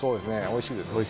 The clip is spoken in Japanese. おいしいですよね